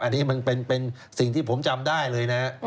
อันนี้มันเป็นสิ่งที่ผมจำได้เลยนะ